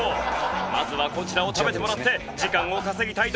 まずはこちらを食べてもらって時間を稼ぎたいところ。